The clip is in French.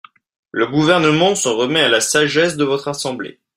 Le Gouvernement s’en remet à la sagesse de votre assemblée.